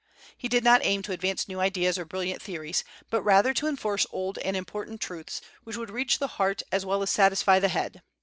He did not aim to advance new ideas or brilliant theories, but rather to enforce old and important truths which would reach the heart as well as satisfy the head.